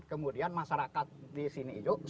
kemudian masyarakat di sini juga